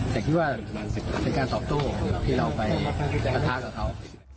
แต่คิดว่ามันเป็นการตอบโต้ที่เราไปประทะกับเขา